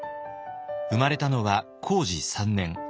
生まれたのは弘治３年。